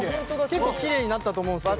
結構きれいになったと思うんすけど。